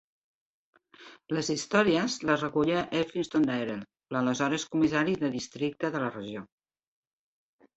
Les històries les recollia Elphinstone Dayrell, l'aleshores Comissari de Districte de la regió.